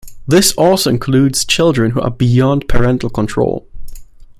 This also includes children who are 'beyond parental control'.